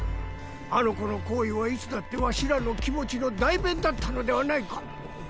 あの子の行為はいつだってわしらの気持ちの代弁だったのではないか？